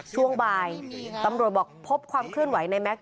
ช่วงบ่ายตำรวจบอกพบความเคลื่อนไหวในแก๊ก